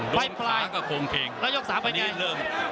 ไปปลายแล้วยก๓ไปไหน